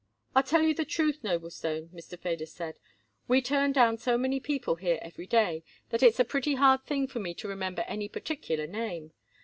"I'll tell you the truth, Noblestone," Mr. Feder said, "we turn down so many people here every day, that it's a pretty hard thing for me to remember any particular name.